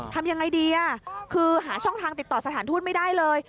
ทำยังไงดีคือหาช่องทางติดต่อสถานทูตไม่ได้เลย